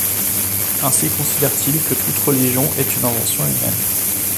Ainsi considère-t-il que toute religion est une invention humaine.